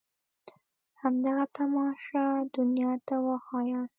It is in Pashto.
همدغه تماشه دنيا ته وښاياست.